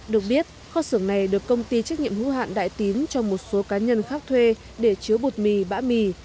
được biết kho xưởng này được công ty trách nhiệm hữu hạn đại tín cho một số cá nhân khác thuê để chứa bột mì bã mì